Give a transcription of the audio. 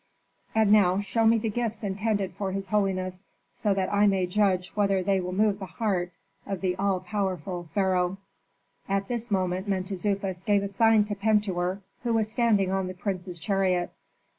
"And now show me the gifts intended for his holiness, so that I may judge whether they will move the heart of the all powerful pharaoh." At this moment Mentezufis gave a sign to Pentuer who was standing on the prince's chariot.